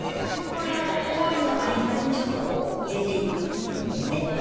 これを講演の合間にちょっとこう入れていくっていう事ですね。